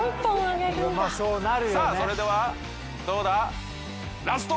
さあそれではどうだ？